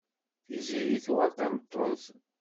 Tiziri tuɣal d tameṭṭut.